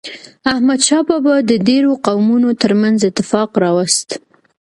احمد شاه بابا د ډیرو قومونو ترمنځ اتفاق راوست.